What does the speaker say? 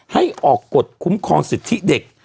ให้ออกกฎคุ้มครองสิทธิเด็ก